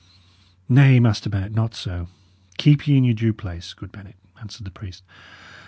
"Nay, Master Bennet, not so. Keep ye in your due place, good Bennet," answered the priest.